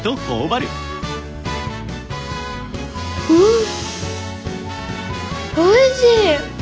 んおいしい！